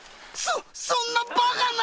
そそんなバカな！